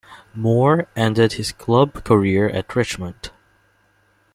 Moore ended his club career at Richmond.